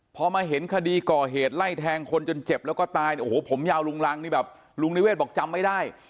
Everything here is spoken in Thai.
พอมาเห็นคดีก่อเหตุไล่แทงคนจนเจ็บแล้วก็ตายโอ้โหผมยาวลุงรังนี่แบบลุงนิเวศบอกจำไม่ได้